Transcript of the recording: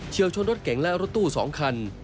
เชียวชนรถแก๋งและรถตู้สองคัน